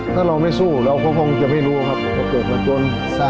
ถ้าเราไม่สู้เราก็คงจะไม่รู้ครับเราเกิดมาจน